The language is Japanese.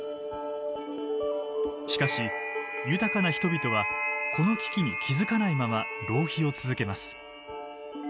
しかし豊かな人々はこの危機に気付かないまま浪費を続けます。